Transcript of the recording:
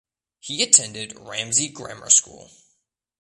He attended Ramsey Grammar School.